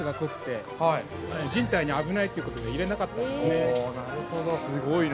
◆すごいな。